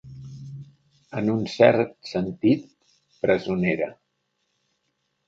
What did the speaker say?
En un cert sentit, presonera.